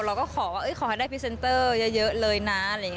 เราก็ขอว่าอุ๊ยขอให้ได้พรีเซนเตอร์เยอะเลยนะ